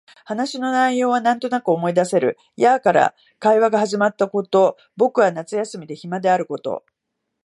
話の内容はなんとなく思い出せる。やあ、から会話が始まったこと、僕は夏休み暇であること、